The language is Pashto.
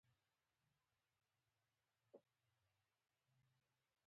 دا د اقتصاد پوهانو د پخوانیو ناسمو لارښوونو له امله دي.